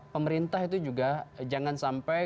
pemerintah itu juga jangan sampai